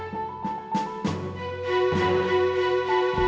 gue udah capek tau nggak sih